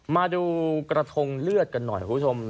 มาดูกระทงเลือดกันหน่อยคุณผู้ชม